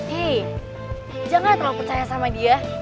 hih jangan terlalu percaya sama dia